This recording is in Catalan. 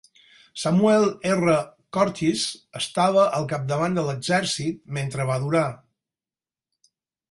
Samuel R. Curtis estava al capdavant de l'exèrcit mentre va durar.